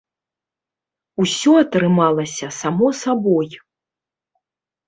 Усё атрымалася само сабой!